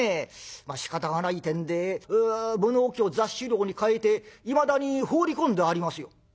しかたがないてんで物置を座敷牢に替えていまだに放り込んでありますよ」。